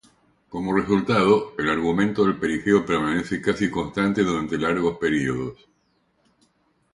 Como resultado, el argumento del perigeo permanece casi constante durante largos períodos.